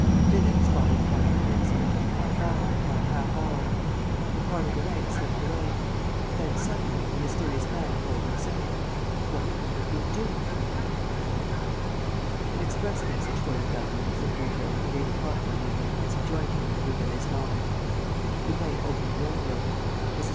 Minutes followed upon minutes, half hour upon half hour. A part of the night slipped away. Then, suddenly, the mysterious man hove in sight. What could he have been doing? "An express message for you, governor," said Doudeville, at eight o'clock one evening, as he joined him in the Rue Delaizement. Lupin opened the envelope. Mrs.